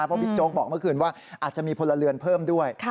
เพราะบิ๊กโจ๊กบอกเมื่อคืนว่าอาจจะมีพลเรือนเพิ่มด้วย